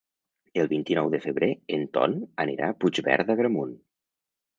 El vint-i-nou de febrer en Ton anirà a Puigverd d'Agramunt.